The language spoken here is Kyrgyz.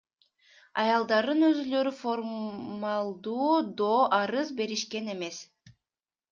Аялдардын өзүлөрү формалдуу доо арыз беришкен эмес.